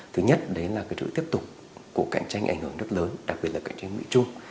thứ nhất đấy là trực tiếp tục của cạnh tranh ảnh hưởng nước lớn đặc biệt là cạnh tranh mỹ trung